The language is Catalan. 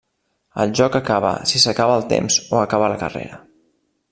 El joc acaba si s'acaba el temps o acaba la carrera.